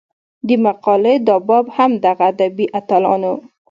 د مقالې دا باب هم دغه ادبي اتلانو